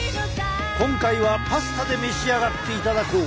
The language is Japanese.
今回はパスタで召し上がっていただこう！